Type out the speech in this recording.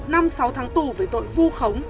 một năm sáu tháng tù về tội vu khống